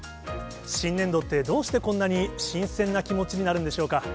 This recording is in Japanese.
新年度ってどうしてこんなに新鮮な気持ちになるんでしょうか。